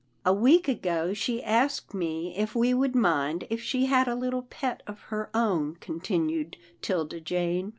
" A week ago, she asked me if we would mind if she had a little pet of her own," continued 'Tilda Jane.